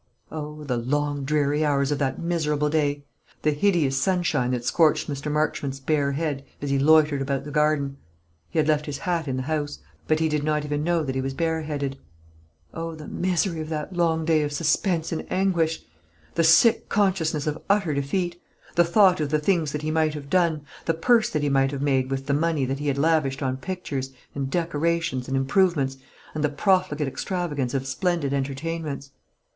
Oh, the long dreary hours of that miserable day! the hideous sunshine, that scorched Mr. Marchmont's bare head, as he loitered about the garden! he had left his hat in the house; but he did not even know that he was bareheaded. Oh, the misery of that long day of suspense and anguish! The sick consciousness of utter defeat, the thought of the things that he might have done, the purse that he might have made with the money that he had lavished on pictures, and decorations, and improvements, and the profligate extravagance of splendid entertainments.